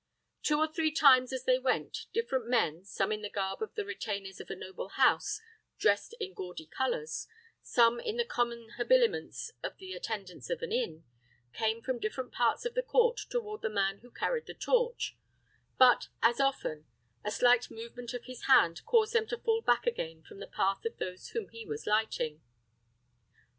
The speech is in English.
Two or three times as they went, different men, some in the garb of the retainers of a noble house dressed in gaudy colors, some in the common habiliments of the attendants of an inn, came from different parts of the court toward the man who carried the torch; but as often, a slight movement of his hand caused them to fall back again from the path of those whom he was lighting.